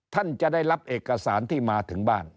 ท่านจะได้รับเอกสารที่มาถึงบ้าน